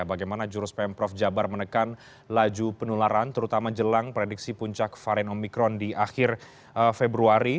bagaimana jurus pemprov jabar menekan laju penularan terutama jelang prediksi puncak varian omikron di akhir februari